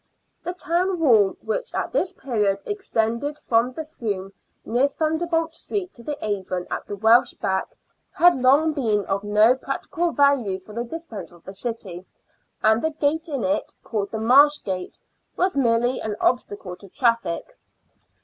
The town wall, which at this period extended from the Froom near Thunderbolt Street to the Avon at the Welsh Back, had long been of no practical value for the defence of the city, and the gate in it, called the Marsh Gate, was merely an obstacle to traffic.